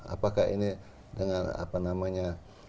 apakah ini dengan apa namanya